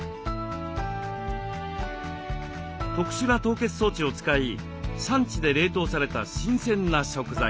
特殊な凍結装置を使い産地で冷凍された新鮮な食材です。